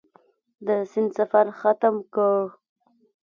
د سیند سفر ختم کړ.